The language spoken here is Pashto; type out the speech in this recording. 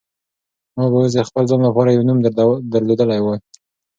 ما به اوس د خپل ځان لپاره یو نوم درلودلی وای.